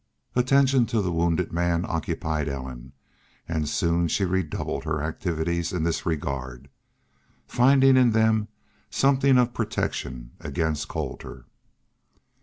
Attention to the wounded man occupied Ellen; and soon she redoubled her activities in this regard, finding in them something of protection against Colter.